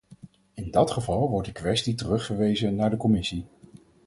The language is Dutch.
In dat geval wordt de kwestie terugverwezen naar de commissie.